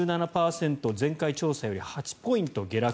前回調査より８ポイント下落